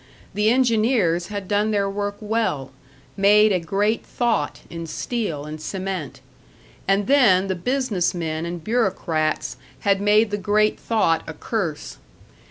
The engineers had done their work well, made a great thought in steel and cement. And then the business men and bureaucrats had made the great thought a curse.